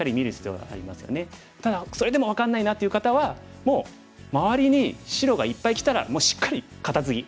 ただそれでも分かんないなっていう方はもう周りに白がいっぱいきたらもうしっかりカタツギ。